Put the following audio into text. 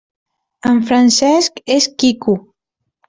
En Francesc és quico.